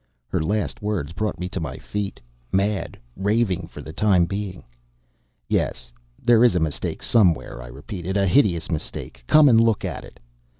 Her last words brought me to my feet mad raving for the time being. "Yes, there is a mistake somewhere," I repeated, "a hideous mistake. Come and look at It."